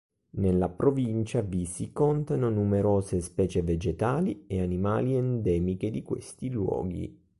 Nella provincia vi si contano numerose specie vegetali e animali endemiche di questi luoghi.